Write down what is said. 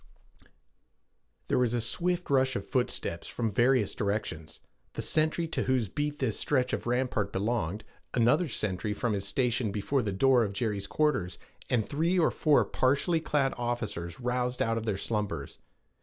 There was a swift rush of footsteps from various directions: the sentry to whose beat this stretch of rampart belonged, another sentry from his station before the door of Jerry's quarters, and three or four partly clad officers roused out of their slumbers.